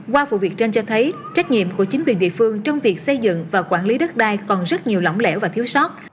qua vụ việc trên cho thấy trách nhiệm của chính quyền địa phương trong việc xây dựng và quản lý đất đai còn rất nhiều lỏng lẻo và thiếu sót